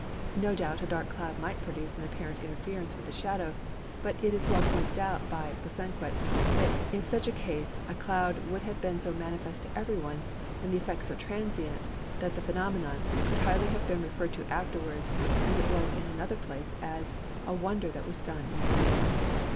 No doubt a dark cloud might produce an apparent interference with the shadow, but it is well pointed out by Bosanquet that such a cause as a cloud would have been so manifest to everyone, and the effect so transient, that the phenomenon could hardly have been referred to afterwards as it was in another place as "a wonder that was done in the land."